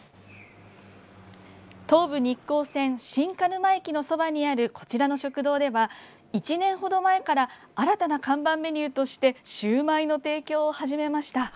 東武日光線新鹿沼駅のそばにあるこちらの食堂では１年ほど前から新たな看板メニューとしてシューマイの提供を始めました。